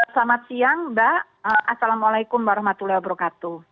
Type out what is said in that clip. selamat siang mbak assalamualaikum warahmatullahi wabarakatuh